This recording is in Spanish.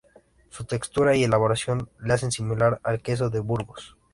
Su textura y elaboración le hacen similar al queso de Burgos.